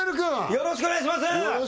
よろしくお願いします